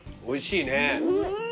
おいしいね。